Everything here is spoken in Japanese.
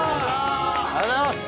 ありがとうございます！